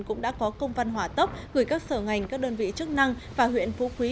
cũng đã có công văn hỏa tốc gửi các sở ngành các đơn vị chức năng và huyện phú quý